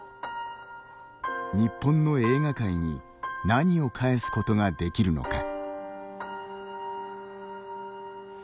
日本の映画界に何を返すことができるのか。